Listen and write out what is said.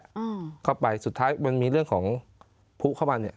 อืมเข้าไปสุดท้ายมันมีเรื่องของผู้เข้ามาเนี้ย